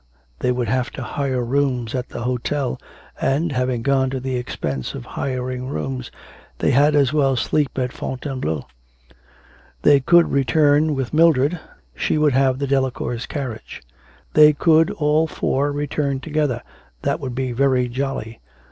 They would have to hire rooms at the hotel, and, having gone to the expense of hiring rooms, they had as well sleep at Fontainebleau. They could return with Mildred she would have the Delacours' carriage. They could all four return together, that would be very jolly.